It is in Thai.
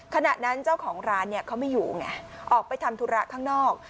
ขณะนั้นเจ้าของร้านเนี่ยเขาไม่อยู่ไงออกไปทำธุระข้างนอก